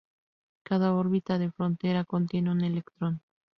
Cada orbital de frontera contiene un electrón.